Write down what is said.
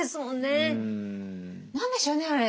何でしょうねあれ。